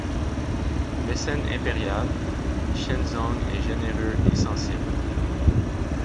Mécène impérial, Shenzong est généreux et sensible.